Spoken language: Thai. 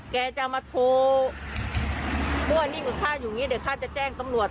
แกจะมาโทรพวกอันนี้คือข้าอยู่นี้เดี๋ยวข้าจะแจ้งตำรวจ